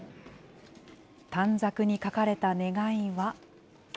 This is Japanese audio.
短冊に書かれた願いは。